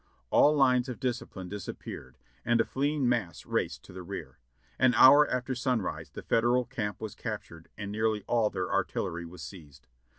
"' All lines of discipline disappeared, and a fleeing mass raced to the rear. An hour after sunrise the Federal camp was captured and nearl}'^ all their artillery was seized.